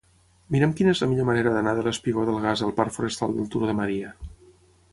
Mira'm quina és la millor manera d'anar del espigó del Gas al parc Forestal del Turó de Maria.